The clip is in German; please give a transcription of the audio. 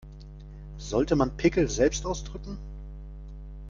Sollte man Pickel selbst ausdrücken?